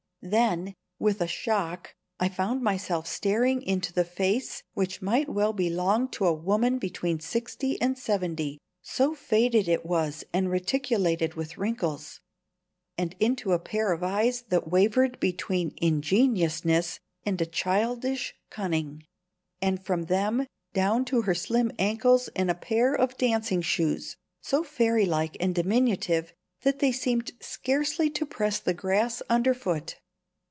Then, with a shock, I found myself staring into the face, which might well belong to a woman between sixty and seventy, so faded it was and reticulated with wrinkles; and into a pair of eyes that wavered between ingenuousness and a childish cunning; and from them down to her slim ankles and a pair of dancing shoes, so fairy like and diminutive that they seemed scarcely to press the grass underfoot.